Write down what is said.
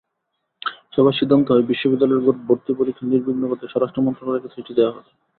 সভায় সিদ্ধান্ত হয়, বিশ্ববিদ্যালয়গুলোর ভর্তি পরীক্ষা নির্বিঘ্ন করতে স্বরাষ্ট্র মন্ত্রণালয়কে চিঠি দেওয়া হবে।